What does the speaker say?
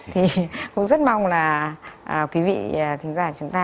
thì cũng rất mong là quý vị khán giả chúng ta